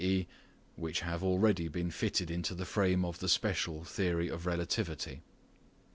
e. which have already been fitted into the frame of the special theory of relativity.